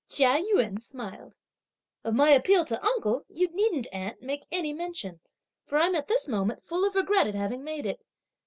Chia Yün smiled. "Of my appeal to uncle, you needn't, aunt, make any mention; for I'm at this moment full of regret at having made it.